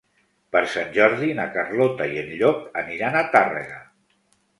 Per Sant Jordi na Carlota i en Llop aniran a Tàrrega.